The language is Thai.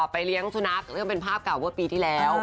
ไปเลี้ยงสุนัขซึ่งเป็นภาพเก่าเมื่อปีที่แล้ว